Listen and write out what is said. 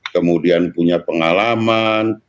kemudian punya pengalaman